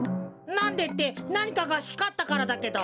なんでってなにかがひかったからだけど。